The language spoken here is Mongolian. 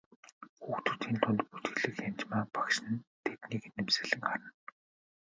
Хүүхдүүдийн дунд бүжиглэх Янжмаа багш нь тэднийг инээмсэглэн харна.